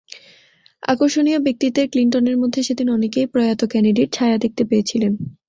আকর্ষণীয় ব্যক্তিত্বের ক্লিনটনের মধ্যে সেদিন অনেকেই প্রয়াত কেনেডির ছায়া দেখতে পেয়েছিলেন।